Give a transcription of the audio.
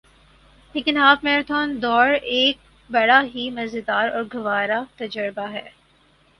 لیکن half marathon دوڑ ایک بڑا ہی مزیدار اور گوارہ تجربہ رہا